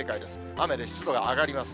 雨で湿度が上がります。